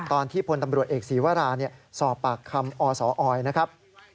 พลตำรวจเอกศีวราสอบปากคำอสออยนะครับ